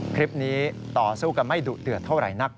คลิปนี้ต่อสู้กันไม่ดุเดือดเท่าไหร่นัก